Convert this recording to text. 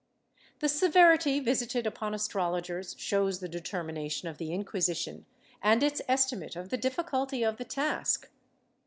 ^ The severity visited upon astrologers shows the determination of the Inquisition, and its estimate of the difficulty of the task.